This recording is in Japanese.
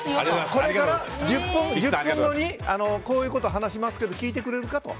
これから１０分後にこういうこと話しますけど聞いてくれるかと。